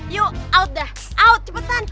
yuk out dah out cepetan